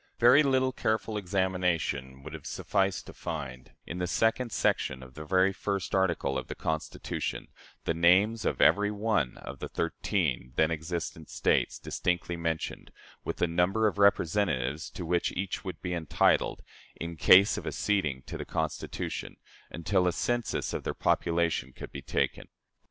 Very little careful examination would have sufficed to find, in the second section of the very first article of the Constitution, the names of every one of the thirteen then existent States distinctly mentioned, with the number of representatives to which each would be entitled, in case of acceding to the Constitution, until a census of their population could be taken.